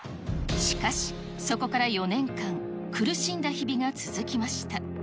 しかし、そこから４年間、苦しんだ日々が続きました。